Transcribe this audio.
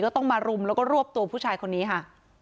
ต้องมารุมแล้วก็รวบตัวผู้ชายคนนี้ค่ะ